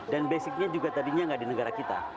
dan basicnya juga tadinya nggak di negara kita